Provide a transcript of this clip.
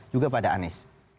juga pada anies